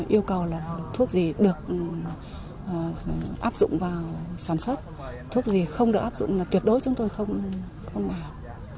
yêu cầu là thuốc gì được áp dụng vào sản xuất thuốc gì không được áp dụng là tuyệt đối chúng tôi không vào